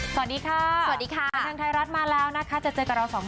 สวัสดีค่ะสวัสดีค่ะกลับมาแล้วนะคะจะเจอกันเราสอง